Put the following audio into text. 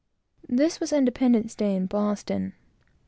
This was "independence day" in Boston.